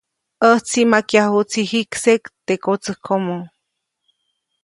‒ʼÄjtsi majkyajuʼtsi jikseʼk teʼ kotsäjkomo-.